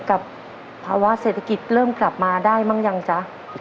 กับภาวะเศรษฐกิจเริ่มกลับมาได้มั้งยังจ๊ะ